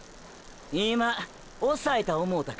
今“おさえた”思うたか？